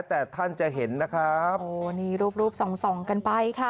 แต่ท่านจะเห็นนะครับโอ้นี่รูปรูปส่องส่องกันไปค่ะ